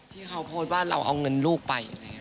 ที่เขาโพส์ว่าเราเอาเงินลูกไป